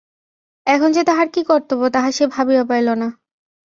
এখন যে তাহার কী কর্তব্য তাহা সে ভাবিয়া পাইল না।